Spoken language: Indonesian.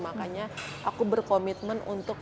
makanya aku berkomitmen untuk